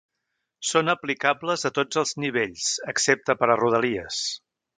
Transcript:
Són aplicables a tots els nivells, excepte per a Rodalies.